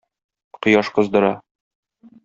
Кояш кыздыра.